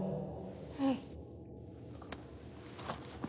うん。